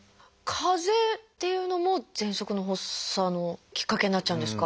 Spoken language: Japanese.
かぜっていうのもぜんそくの発作のきっかけになっちゃうんですか？